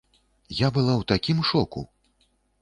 Я была ў такім шоку!